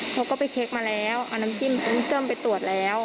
เขาก็ไปเช็คมาแล้วเอาน้ำจิ้มไปตรวจแล้ว